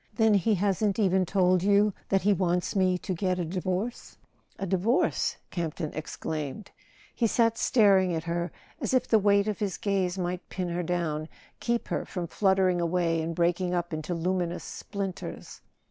"Then he hasn't even told you that he wants me to get a divorce ?" "A divorce?" Campton exclaimed. He sat staring at her as if the weight of his gaze might pin her down, keep her from fluttering away and breaking up into luminous splinters.